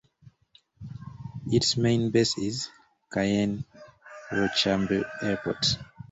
Its main base is Cayenne-Rochambeau Airport.